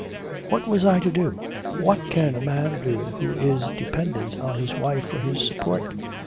'What was I to do; what can a man do who is dependent on his wife for his support?